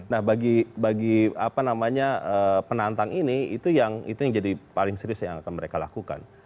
nah bagi penantang ini itu yang jadi paling serius yang akan mereka lakukan